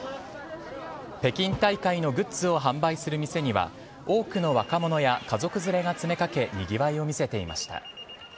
北京大会のグッズを販売する店には多くの若者や家族連れが詰めかけにぎわいを見せていました。